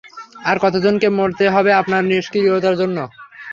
আর কতজনকে মরতে হবে আপনার নিষ্ক্রিয়তার জন্য?